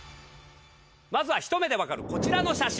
まずはひと目でわかるこちらの写真。